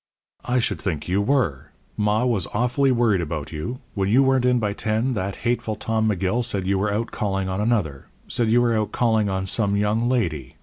"I should think you were! Ma was awfully worried about you. When you weren't in by ten, that hateful Tom McGill said you were out calling on another said you were out calling on some young lady.